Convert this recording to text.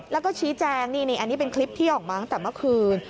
แล้วก็ชี้แจงนี่อันนี้เป็นคลิปที่ออกมาตั้งแต่เมื่อคืน